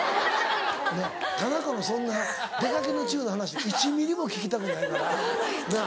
ねぇ田中のそんな出がけのチュの話１ｍｍも聞きたくないからなぁ。